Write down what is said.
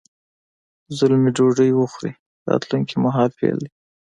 زلمی ډوډۍ وخوري راتلونکي مهال فعل دی.